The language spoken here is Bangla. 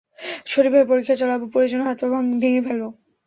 সঠিকভাবে পরীক্ষা চালাবো, প্রয়োজনে হাত-পা ভেঙে ফেলব।